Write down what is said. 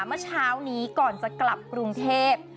เมื่อเช้านี้ก่อนจะกลับกรุงเทพ